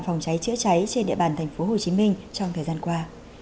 phòng cháy chữa cháy trên địa bàn tp hcm trong thời gian qua